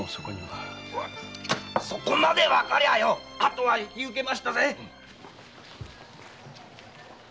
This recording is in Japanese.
そこまで判りゃああとは引き受けましたぜ！